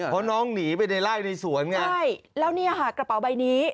เพราะน้องหนีไปในไล่ในสวนไงใช่แล้วเนี่ยค่ะกระเป๋าใบนี้